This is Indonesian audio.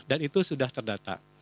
dan itu sudah terdata